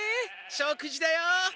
食事だよ。